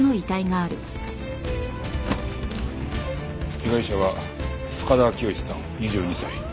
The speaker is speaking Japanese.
被害者は深田明良さん２２歳。